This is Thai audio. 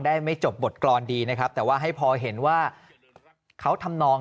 ไม่จบบทกรรมดีนะครับแต่ว่าให้พอเห็นว่าเขาทำนอง